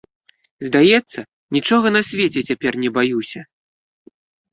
Здаецца, нічога на свеце цяпер не баюся.